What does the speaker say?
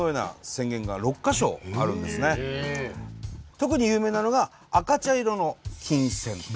特に有名なのが赤茶色の金泉。